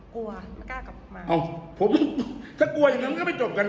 กลัวไม่กล้ากลับมาอ้าวผมถ้ากลัวอย่างงั้นก็ไม่จบกัน